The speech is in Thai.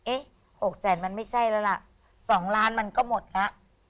เอ๊ะหกแสนมันไม่ใช่แล้วล่ะสองล้านมันก็หมดล่ะ